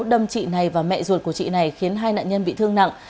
đâm chị này và mẹ ruột của chị này khiến hai nạn nhân bị thương nặng